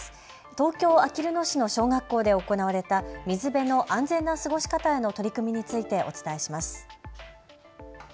東京あきる野市の小学校で行われた水辺の安全な過ごし方への取り組みについてお伝えします。